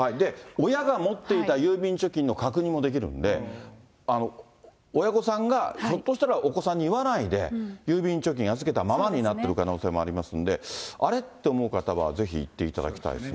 親が持っていた郵便貯金の確認もできるんで、親御さんがひょっとしたらお子さんに言わないで、郵便貯金預けたままになってる可能性もありますんで、あれ？って思う方はぜひ行っていただきたいですね。